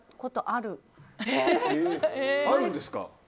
あるんですか？